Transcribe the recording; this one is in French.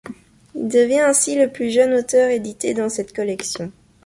Il devient ainsi le plus jeune auteur édité dans cette collection.